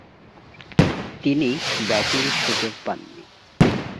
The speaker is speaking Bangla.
তিনি ব্যাটিংয়ের সুযোগ পাননি।